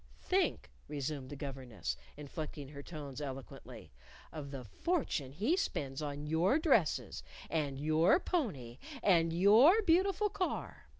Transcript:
"Think," resumed the governess, inflecting her tones eloquently, "of the fortune he spends on your dresses, and your pony, and your beautiful car!